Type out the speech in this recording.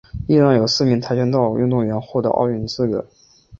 伊朗有四名跆拳道运动员获得奥运资格。